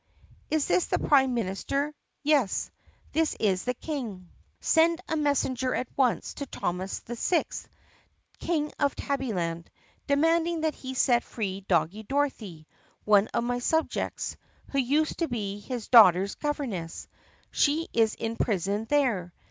Is this the prime minis ter? Yes? This is the King. Send a messenger at once to Thomas VI, King of Tabbyland, demanding that he set free Doggie Dorothy, one of my subjects, who used to be his daugh ter's governess. She is in prison there.